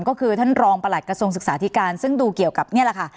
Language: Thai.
ก็คือท่านรองประหลัดกระทรวงศึกษาธิการซึ่งดูเกี่ยวกับนี่แหละค่ะ